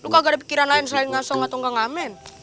gak ada pikiran lain selain ngasong atau gak ngamen